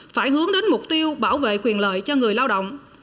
phải hướng đến mục tiêu bảo vệ quyền lợi cho người lao động